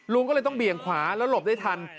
ลุงก็เลยต้องเบี่ยงขวาแล้วหลบได้ทัน